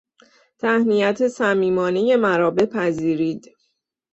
تهنیت صمیمانهی مرا بپذیرید.